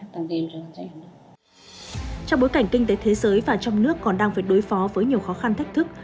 trong bối cảnh kinh tế thế giới và trong nước còn đang phải đối phó với nhiều khó khăn thách thức